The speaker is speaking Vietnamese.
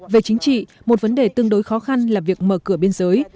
về chính trị một vấn đề tương đối khó khăn là việc mở cửa biên giới